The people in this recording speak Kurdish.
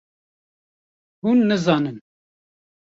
hûn nizanin.